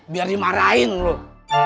biar dimarahin loh